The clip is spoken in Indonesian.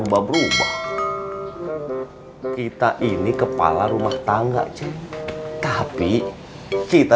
berubah kita ini kepala rumah tangga tapi kita